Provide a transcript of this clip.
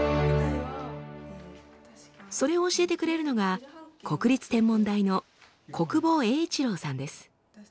それを教えてくれるのが国立天文台の小久保英一郎さんです。